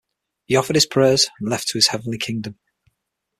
He offered his prayers and left to his heavenly kingdom.